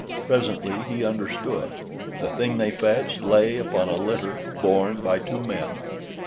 Presently he understood. The thing they fetched lay upon a litter borne by two men.